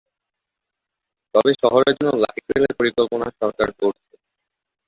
তবে শহরের জন্য লাইট রেলের পরিকল্পনা সরকার করছে।